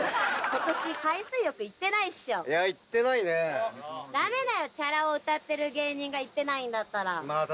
今年海水浴行ってないっしょいや行ってないねダメだよチャラ男をうたってる芸人が行ってないんだったらまあ